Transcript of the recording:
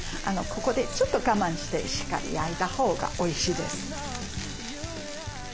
ここでちょっと我慢してしっかり焼いたほうがおいしいです。